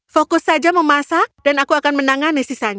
fokus saja memasak dan aku akan menangani sisanya